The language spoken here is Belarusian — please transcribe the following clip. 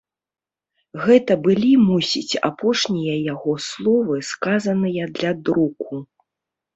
Гэта былі, мусіць, апошнія яго словы, сказаныя для друку.